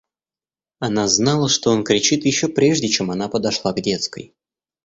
Она знала, что он кричит, еще прежде, чем она подошла к детской.